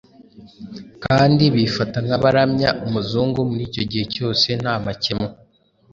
kandi bifata nk'abaramya umuzungu muri icyo gihe cyose nta makemwa.